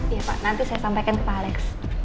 iya pak nanti saya sampaikan ke pak alex